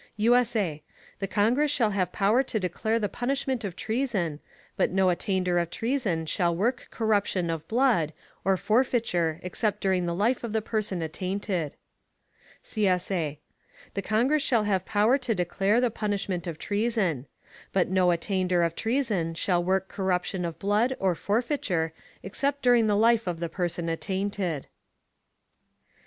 [USA] The Congress shall have Power to declare the Punishment of Treason, but no Attainder of Treason shall work Corruption of Blood, or Forfeiture except during the Life of the Person attainted. [CSA] The Congress shall have power to declare the punishment of treason; but no attainder of treason shall work corruption of blood, or forfeiture, except during the life of the person attainted.